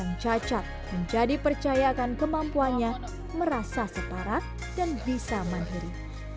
yang cacat menjadi percaya akan kemampuannya merasa setara dan bisa mandiri